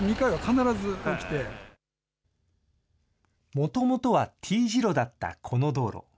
もともとはＴ字路だったこの道路。